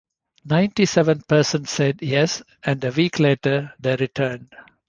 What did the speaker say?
Ninety-seven percent said yes, and a week later, they returned.